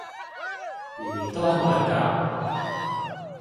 年年都喺荷蘭搞？